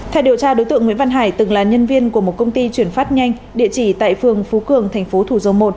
theo điều tra đối tượng nguyễn văn hải từng là nhân viên của một công ty chuyển phát nhanh địa chỉ tại phường phú cường tp thủ dầu một